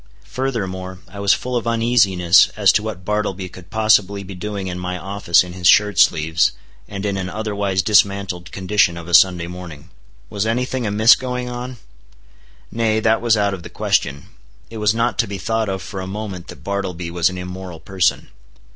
Furthermore, I was full of uneasiness as to what Bartleby could possibly be doing in my office in his shirt sleeves, and in an otherwise dismantled condition of a Sunday morning. Was any thing amiss going on? Nay, that was out of the question. It was not to be thought of for a moment that Bartleby was an immoral person.